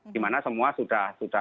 dimana semua sudah